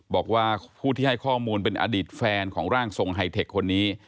บอกว่าผู้ที่ให้ข้อมูลเป็นอดีตแฟนของร่างทรงไฮเทคคนนี้